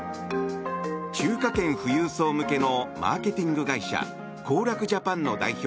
中華圏富裕層向けのマーケティング会社行楽ジャパンの代表